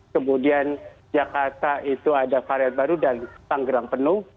kemudian jakarta itu ada varian baru dan tanggerang penuh